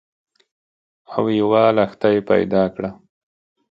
او یوه لښتۍ پیدا کړه